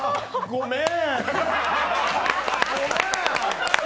ごめん。